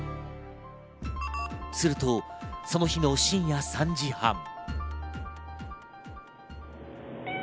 すると、その日の深夜３時半。